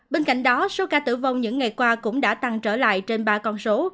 bên cạnh đó số ca tử vong những ngày qua cũng đã tăng trở lại trên ba con số